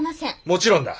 もちろんだ。